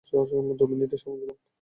দু মিনিট সময় দিলাম।